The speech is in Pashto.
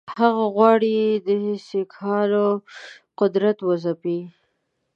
هغه غواړي د سیکهانو قدرت وځپي.